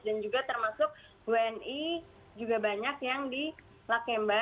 dan juga termasuk wni juga banyak yang di lakemba